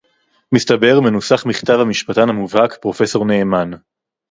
מסתבר מנוסח מכתב המשפטן המובהק פרופסור נאמן